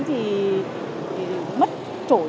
thì mất trổi